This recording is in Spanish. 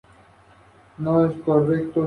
Actualmente es alcalde de Isla de Pascua.